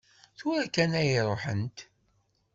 Tura kan ay ruḥent.